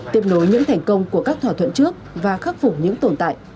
tiếp nối những thành công của các thỏa thuận trước và khắc phục những tồn tại